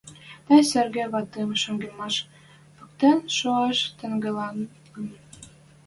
тӓ Серге вӓтӹм шонгеммӓш поктен шоаш тӹнгӓлӹн.